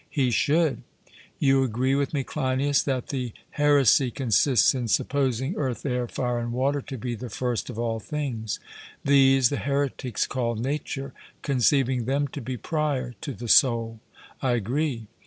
'He should.' You agree with me, Cleinias, that the heresy consists in supposing earth, air, fire, and water to be the first of all things. These the heretics call nature, conceiving them to be prior to the soul. 'I agree.'